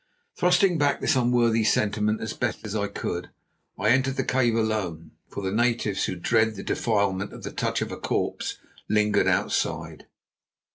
Thrusting back this unworthy sentiment as best I could, I entered the cave alone, for the natives, who dread the defilement of the touch of a corpse, lingered outside.